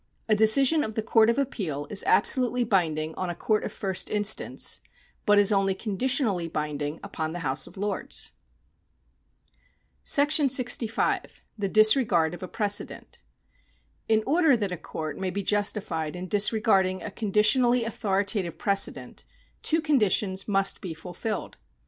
A decision of the Court of Appeal is absolutely binding on a court of first instance, but is only conditionally binding upon the House of Lords. § 65. The Disregard of a Precedent. In order that a court may be justified in disregarding a conditionally authoritative precedent, two conditions must be fulfilled.